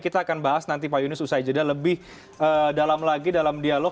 kita akan bahas nanti pak yunus usai jeda lebih dalam lagi dalam dialog